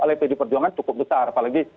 oleh pd perjuangan cukup besar apalagi